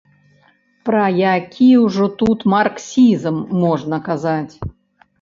Пра які ўжо тут марксізм можна казаць?!